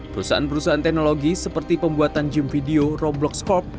perusahaan perusahaan teknologi seperti pembuatan jim video roblox corp